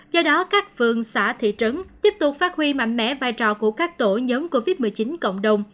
do đó các phường xã thị trấn tiếp tục phát huy mạnh mẽ vai trò của các tổ nhóm covid một mươi chín cộng đồng